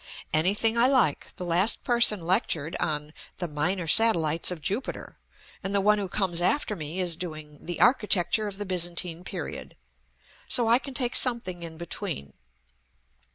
"Anything I like. The last person lectured on 'The Minor Satellites of Jupiter,' and the one who comes after me is doing 'The Architecture of the Byzantine Period,' so I can take something in between."